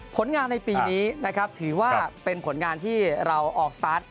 ผลงานในปีนี้นะครับถือว่าเป็นผลงานที่เราออกสตาร์ท